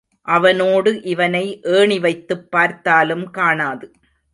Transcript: அவனோடு இவனை ஏணிவைத்துப் பார்த்தாலும் காணாது.